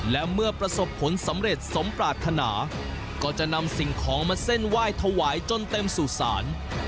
และเมื่อประสบผลสำเร็จสมปรารถนาก็จะนำสิ่งของมาเส้นไหว้ถวายจนเต็มสู่ศาล